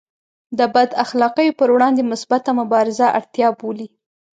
د بد اخلاقیو پر وړاندې مثبته مبارزه اړتیا بولي.